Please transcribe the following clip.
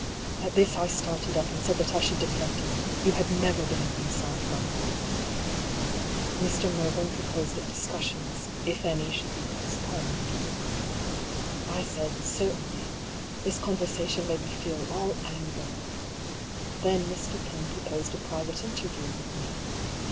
At this I started up, and said that I should defend it. You had never been of unsound mind. Mr. Mervyn proposed that discussions, if any, should be postponed. FOUND IN AN OLD NOTEBOOK OP LILIA PYM'S. 127 I said, " Certainly.*' This conversation made me feel all anger. Then Mr. Pym proposed a private interview with me.